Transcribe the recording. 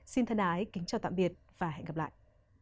xin thân ái kính chào tạm biệt và hẹn gặp lại